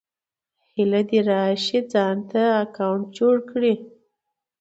هيله ده راشٸ ځانته اکونټ جوړ کړى